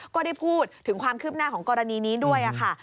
ก็ได้พูดถึงความคืบหน้าของกรณีนี้ด้วยค่ะ